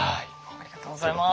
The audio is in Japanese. ありがとうございます。